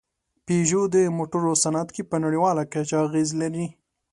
پيژو د موټرو صنعت کې په نړۍواله کچه اغېز لري.